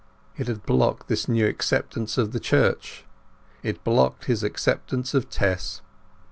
It had blocked his acceptance of the Church; it blocked his acceptance of Tess.